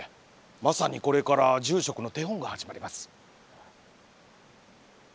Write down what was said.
まさにこれから住職の手本が始まります。